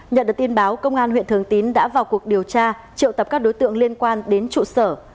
nhận được tin báo công an huyện thường tín đã vào cuộc điều tra triệu tập các đối tượng liên quan đến trụ sở